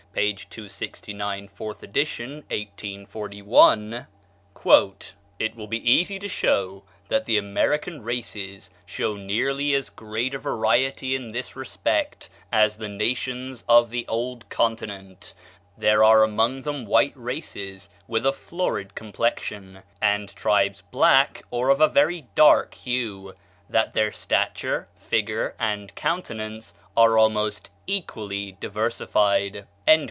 p. 269, 4th ed., 1841): "It will be easy to show that the American races show nearly as great a variety in this respect as the nations of the old continent; there are among them white races with a florid complexion, and tribes black or of a very dark hue; that their stature, figure, and countenance are almost equally diversified."